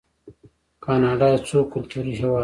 کاناډا یو څو کلتوری هیواد دی.